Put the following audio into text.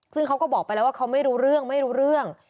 ซึ่งเขาก็บอกไปแล้วว่าเขาไม่รู้เรื่องไม่รู้เรื่อง